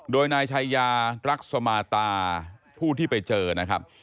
โดยนายชายารักษมาตาผู้ที่ไปเจอนะครับ